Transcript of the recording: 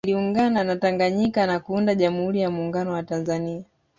Iliungana na Tanganyika na kuunda Jamhuri ya Muungano wa Tanzania